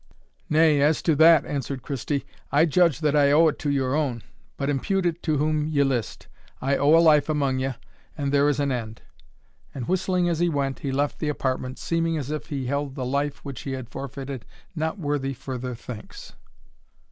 "Nay, as to that," answered Christie, "I judge that I owe it to your own; but impute it to whom ye list, I owe a life among ye, and there is an end." And whistling as he went, he left the apartment, seeming as if he held the life which he had forfeited not worthy further thanks.